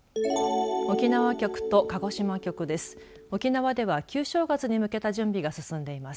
沖縄局と鹿児島局です。